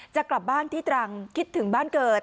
จะกลับบ้านที่ตรังคิดถึงบ้านเกิด